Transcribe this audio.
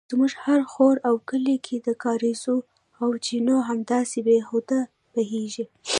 زموږ هر خوړ او کلي کې د کاریزو او چینو همداسې بې هوده بیهږي